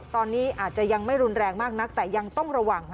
ตอนนี้อาจจะยังไม่รุนแรงมากนักแต่ยังต้องระวัง